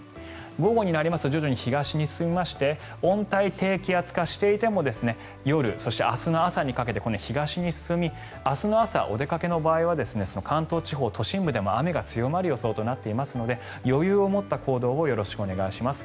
午後になりますと徐々に東に進みまして温帯低気圧化していても夜、そして明日の朝にかけて東に進み明日の朝、お出かけの場合は関東地方、都心部でも雨が強まる予想となっていますので余裕を持った行動をよろしくお願いします。